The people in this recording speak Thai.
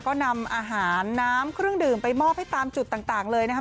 ก็นำอาหารน้ำเครื่องดื่มไปมอบให้ตามจุดต่างเลยนะครับ